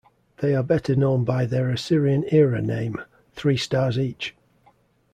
They are better known by their Assyrian-era name 'Three Stars Each'.